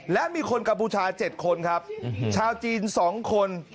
และมีคนกับผู้ชายเจ็ดคนครับชาวจีนสองคน